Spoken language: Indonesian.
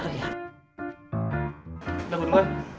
udah gue mau